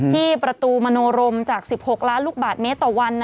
ที่ประตูมโนรมจาก๑๖ล้านลูกบาทเมตรต่อวัน